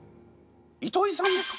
糸井さんですか？